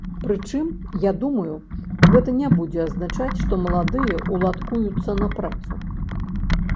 Прычым, я думаю, гэта не будзе азначаць, што маладыя ўладкуюцца на працу.